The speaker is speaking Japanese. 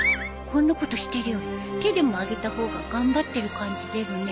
こんなことしてるより手でも挙げた方が頑張ってる感じ出るね